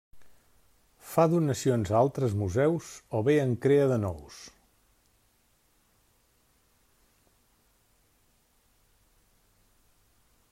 Fa donacions a altres museus o bé en crea de nous.